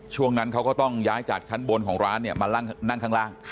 ช่วงนั้นเขาก็ต้องย้ายจากชั้นบนของร้านเนี่ยมานั่งข้างล่าง